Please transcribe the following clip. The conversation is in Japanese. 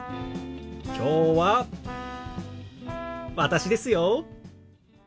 きょうは私ですよ。